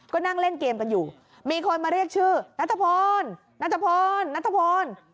ก็นั่งเล่นเกมกันอยู่มีคนมาเรียกชื่อนัทพลนัทพลนัทพล